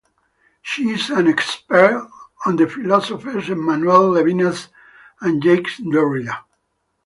She is an expert on the philosophers Emmanuel Levinas and Jacques Derrida.